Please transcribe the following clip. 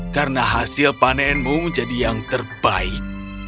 karena hasil panenmu menjadi yang terbaik